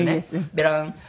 ベラン！